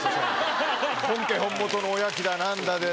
本家本元のおやきだ何だで。